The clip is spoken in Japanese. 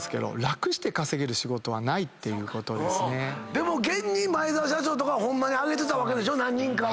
でも前澤社長とかはホンマにあげてたわけでしょ何人かは。